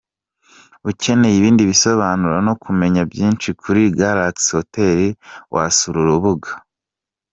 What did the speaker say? Ukeneye ibindi bisobanuro no kumenya byinshi kuri Galaxy Hotel wasura urubuga www.